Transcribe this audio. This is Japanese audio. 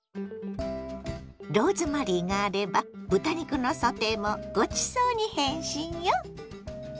ローズマリーがあれば豚肉のソテーもごちそうに変身よ。